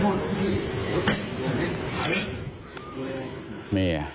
แบบนี้